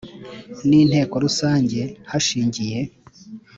N inteko rusange hashingiye